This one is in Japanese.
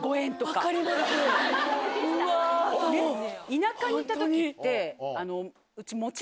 田舎にいた時ってうち。